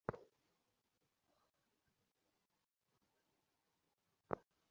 ভারত হইতে যথেষ্ট কাগজপত্র আসিয়াছে, আর আবশ্যক নাই।